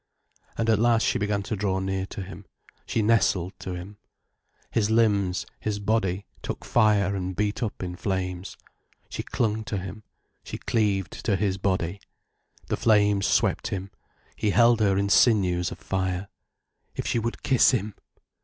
And at last she began to draw near to him, she nestled to him. His limbs, his body, took fire and beat up in flames. She clung to him, she cleaved to his body. The flames swept him, he held her in sinews of fire. If she would kiss him!